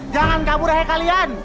jangan kabur hei kalian